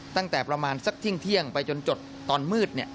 ตั้งแต่ประมาณสักเที่ยงไปจนจดตอนมืด